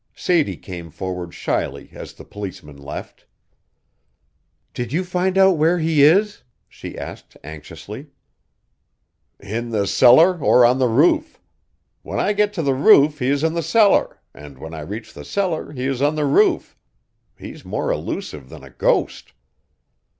Sadie came forward shyly as the policemen left. "Did you find out where he is?" she asked anxiously. "In the cellar or on the roof. When I get to the roof he is in the cellar, and when I reach the cellar he is on the roof. He's more elusive than a ghost."